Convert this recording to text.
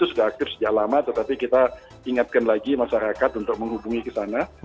sudah aktif sejak lama tetapi kita ingatkan lagi masyarakat untuk menghubungi ke sana